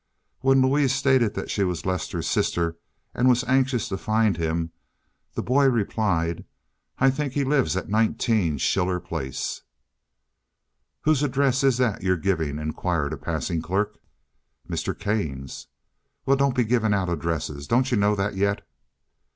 When Louise stated that she was Lester's sister, and was anxious to find him, the boy replied, "I think he lives at 19 Schiller Place." "Whose address is that you're giving?" inquired a passing clerk. "Mr. Kane's." "Well, don't be giving out addresses. Don't you know that yet?"